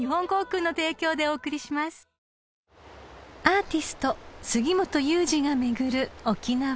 ［アーティスト杉本雄治が巡る沖縄］